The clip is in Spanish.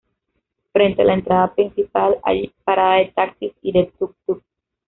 Frente a la entrada principal hay parada de taxis y de tuk-tuk.